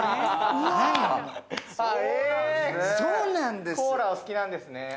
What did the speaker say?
そうなんですね。